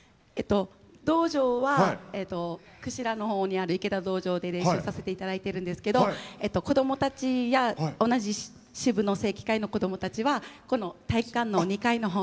道場は串良のほうにある池田道場で練習させて頂いてるんですけど子供たちや同じ支部の正規会員の子どもたちはこの体育館の２階のほうでしてます。